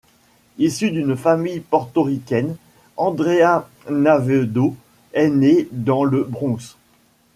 Issue d'une famille portoricaine, Andrea Navedo est née dans le Bronx.